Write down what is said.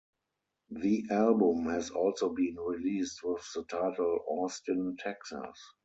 The album has also been released with the title "Austin, Texas".